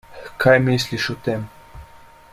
Kaj misliš o tem?